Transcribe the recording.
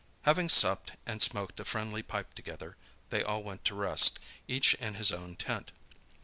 Having supped and smoked a friendly pipe together, they all went to rest, each in his own tent.